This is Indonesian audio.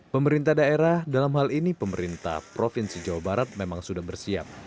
pemerintah daerah dalam hal ini pemerintah provinsi jawa barat memang sudah bersiap